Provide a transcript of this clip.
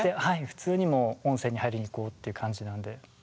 普通にもう温泉に入りに行こうという感じなので。